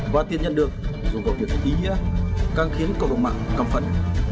và tiền nhân được dùng vào việc ý nghĩa càng khiến cộng đồng mạng căm phận